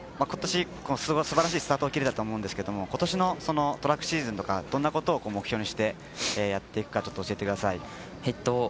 今年素晴らしいスタートを切れたと思うんですけど今年のトラックシーズンはどんなことを目標にしてやっていくか教えてください。